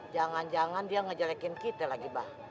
jangan jangan dia ngejelekin kita lagi bah